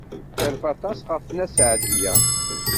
Terfa aṭas ɣef Nna Seɛdiya.